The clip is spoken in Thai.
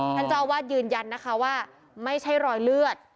ท่านเจ้าอาวาสยืนยันนะคะว่าไม่ใช่รอยเลือด